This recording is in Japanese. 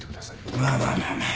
まあまあまあまあ。